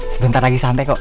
sebentar lagi sampai kok